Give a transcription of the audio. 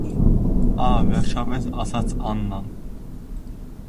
- Ա, վերջապե՜ս,- ասաց Աննան: